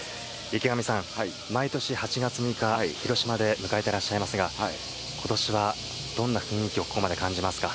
池上さん、毎年８月６日、広島で迎えてらっしゃいますが、ことしはどんな雰囲気を、ここまで感じますか？